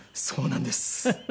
そうなんです。